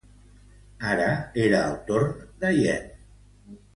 Ara, era el torn de Yen.